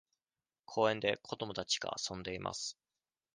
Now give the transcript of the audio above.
公園で子供たちが遊んでいます。